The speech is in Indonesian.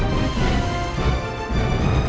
berubah jalan kamu